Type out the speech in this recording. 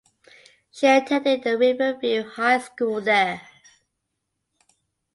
She attended the Riverview High School there.